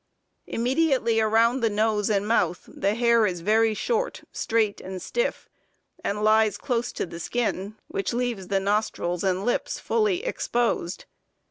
Immediately around the nose and mouth the hair is very short, straight and stiff, and lies close to the skin, which leaves the nostrils and lips fully exposed.